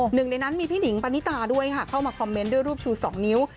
หนึ่งในนั้นมีพี่หนิงปณิตาด้วยค่ะเข้ามาคอมเมนต์ด้วยรูปชู๒นิ้ว